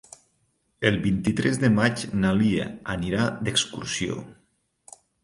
El vint-i-tres de maig na Lia anirà d'excursió.